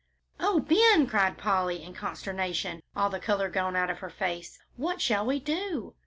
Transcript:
"Oh, Ben!" cried Polly, in consternation, all the color gone out of her face; "what shall we do?"